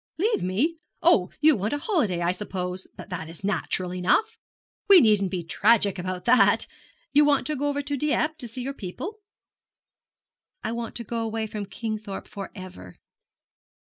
'Leave me! Oh, you want a holiday, I suppose? that is natural enough. We needn't be tragic about that. You want to go over to Dieppe to see your people?' 'I want to go away from Kingthorpe for ever.'